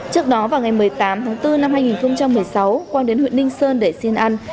trước đó vào ngày một mươi tám tháng bốn năm hai nghìn một mươi sáu quang đến huyện ninh sơn để xin ăn